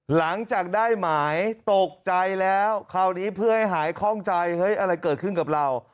หลังจากได้หมายตกใจแล้วคราวนี้เพื่อให้หายคล่องใจเฮ้ยอะไรเกิดขึ้นกับเรา